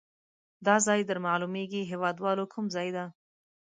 دا ځای در معلومیږي هیواد والو کوم ځای ده؟